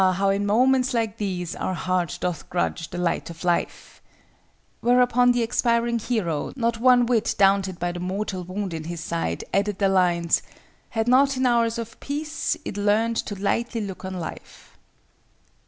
how in moments like these Our heart doth grudge the light of life;" whereupon the expiring hero, not one whit daunted by the mortal wound in his side, added the lines— "Had not in hours of peace, It learned to lightly look on life."